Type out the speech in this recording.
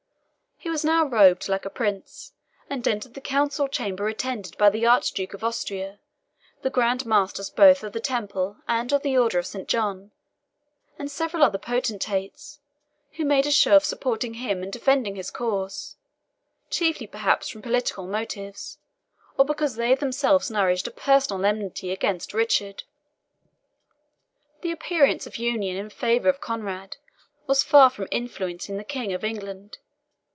He was now robed like a prince; and entered the council chamber attended by the Archduke of Austria, the Grand Masters both of the Temple and of the Order of Saint John, and several other potentates, who made a show of supporting him and defending his cause, chiefly perhaps from political motives, or because they themselves nourished a personal enmity against Richard. This appearance of union in favour of Conrade was far from influencing the King of England.